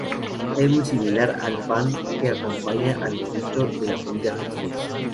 Es muy similar al pan que acompaña al burrito de la comida tex-mex.